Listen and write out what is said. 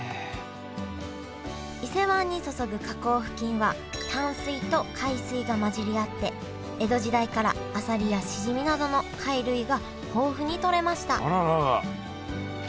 伊勢湾に注ぐ河口付近は淡水と海水が混じり合って江戸時代からあさりやしじみなどの貝類が豊富にとれました